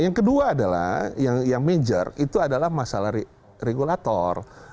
yang kedua adalah yang major itu adalah masalah regulator